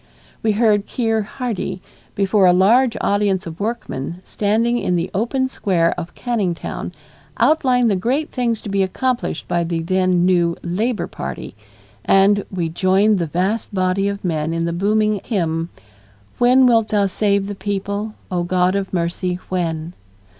We heard Keir Hardie before a large audience of workingmen standing in the open square of Canning Town outline the great things to be accomplished by the then new Labor Party, and we joined the vast body of men in the booming hymn When wilt Thou save the people, O God of Mercy, when!